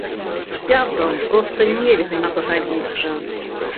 З сябрам проста нельга не пагадзіцца.